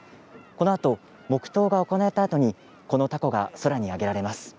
このあと黙とうが行われたあとにこのたこが空に揚げられます。